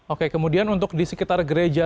oke kemudian untuk di sekitar gereja